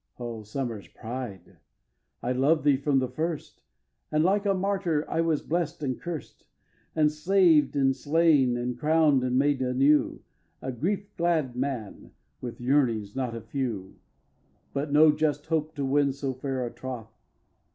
ix. O Summer's Pride! I loved thee from the first, And, like a martyr, I was blest and curst, And saved and slain, and crown'd and made anew, A grief glad man, with yearnings not a few, But no just hope to win so fair a troth.